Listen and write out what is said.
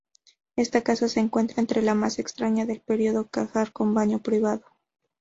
Esta casa se encuentra entre las más extrañas del período Qajar con baño privado.